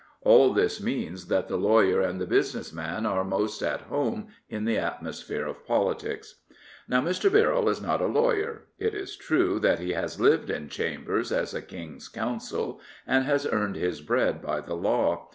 All this means that the lawyer and the business man are most at home in the atmosphere of politics. Now Mr. Birrell is not a lawyer. It is true that he has lived in chambers, is a King's Counsel, and has earned his bread by the law.